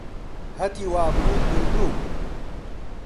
هەتیو ئابڕووت بردووم!